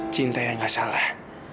cinta yang gak salah